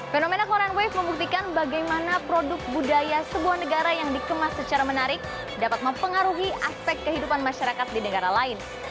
fenomena korean wave membuktikan bagaimana produk budaya sebuah negara yang dikemas secara menarik dapat mempengaruhi aspek kehidupan masyarakat di negara lain